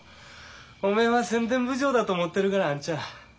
おめえは宣伝部長だと思ってるからあんちゃ。